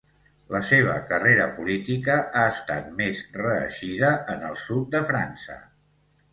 La seva carrera política ha estat més reeixida en el sud de França.